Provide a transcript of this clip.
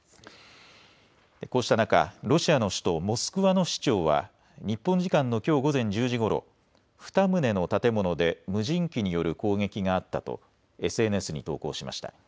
こうした中、ロシアの首都モスクワの市長は日本時間のきょう午前１０時ごろ２棟の建物で無人機による攻撃があったとＳＮＳに投稿しました。